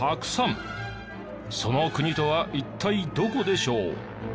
その国とは一体どこでしょう？